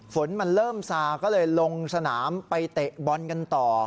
ฝนมันเริ่มซาก็เลยลงสนามไปเตะบอลกันต่อ